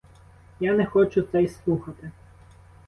Я не хочу це й слухати.